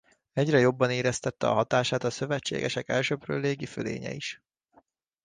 Egyre jobban éreztette a hatását a szövetségesek elsöprő légi fölénye is.